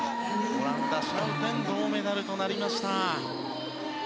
オランダ、シャウテンが銅メダルとなりました。